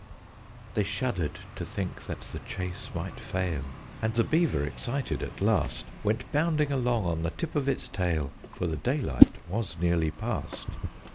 They shuddered to think that the chase might fail, And the Beaver, excited at last, Went bounding along on the tip of its tail, For the daylight was nearly past.